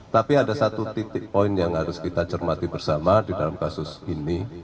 tapi ada satu titik poin yang harus kita cermati bersama di dalam kasus ini